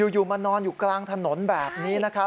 อยู่มานอนอยู่กลางถนนแบบนี้นะครับ